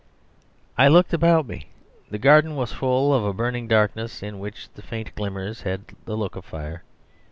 I looked about me. The garden was full of a burning darkness, in which the faint glimmers had the look of fire.